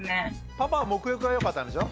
パパはもく浴がよかったんでしょ。